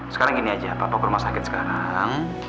sekarang gini aja ke rumah sakit sekarang